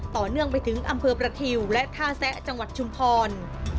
ต่อเนื่องไปถึงอำเภอประทิวและท่าแซะจังหวัดชุมพร